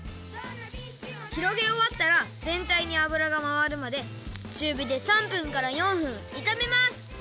ひろげおわったらぜんたいにあぶらがまわるまでちゅうびで３分から４分いためます。